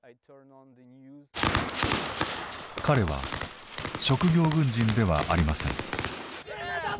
彼は職業軍人ではありません。